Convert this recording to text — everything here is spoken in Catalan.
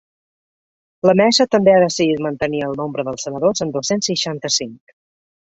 La mesa també ha decidit mantenir el nombre de senadors en dos-cents seixanta-cinc.